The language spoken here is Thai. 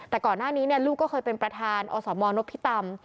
แต่ก่อนหน้านี้ลูกก็เคยเป็นประธานอสมนพิตำ